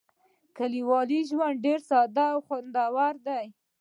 کلیوالي ژوند ډېر ساده او خوندور وي.